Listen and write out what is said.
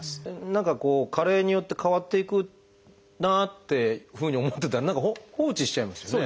何かこう加齢によって変わっていくなあってふうに思ってたら何か放置しちゃいますもんね。